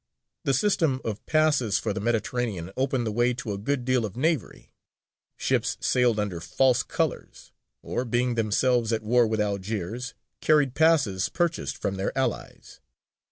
The system of passes for the Mediterranean opened the way to a good deal of knavery; ships sailed under false colours, or, being themselves at war with Algiers, carried passes purchased from her allies.